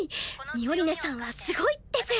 ミオリネさんはすごいです。